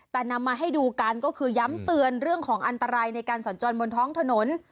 แต่นำมาให้ดูกันก็คือย้ำเตือนเรื่องของอันตรายในการสัญจรบนท้องถนน